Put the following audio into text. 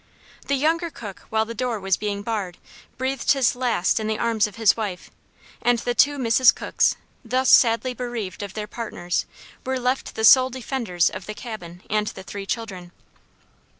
The younger Cook while the door was being barred breathed his last in the arms of his wife, and the two Mrs. Cooks, thus sadly bereaved of their partners, were left the sole defenders of the cabin and the three children.